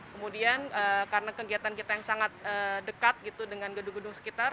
kemudian karena kegiatan kita yang sangat dekat gitu dengan gedung gedung sekitar